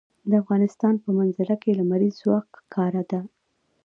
د افغانستان په منظره کې لمریز ځواک ښکاره ده.